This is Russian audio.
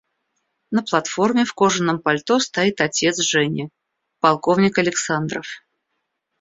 На платформе в кожаном пальто стоит отец Жени – полковник Александров.